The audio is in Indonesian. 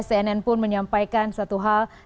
cnn pun menyampaikan satu hal